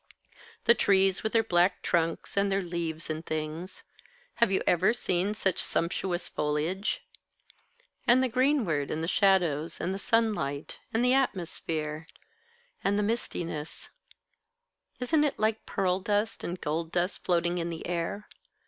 "The trees, with their black trunks, and their leaves, and things. Have you ever seen such sumptuous foliage? And the greensward, and the shadows, and the sunlight, and the atmosphere, and the mistiness isn't it like pearl dust and gold dust floating in the air?